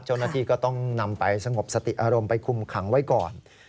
เจ้าหน้าที่ก็ต้องนำไปสงบสติอารมณ์ไปคุมขังไว้ก่อน